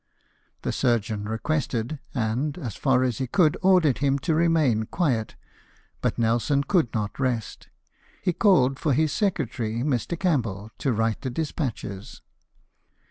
The surgeon requested, and, as far as he could, ordered him to remain quiet ; but Nelson could not rest. He called for his secretary, Mr. Campbell, to write the despatches.